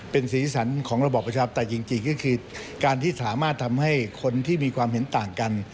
เป็นสีสันของระบอบประชาปไตยจริงก็คือการที่สามารถทำให้คนที่มีความเห็นต่างกัน